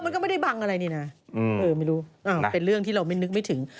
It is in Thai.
มันก็ไม่ได้บังอะไรนี่นะไม่รู้มันเป็นเรื่องที่เราไม่นึกไม่ถึง